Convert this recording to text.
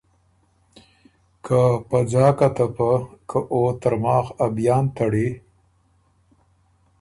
که په ځاکه ته پۀ، که او ترماخ ا بیان تړی،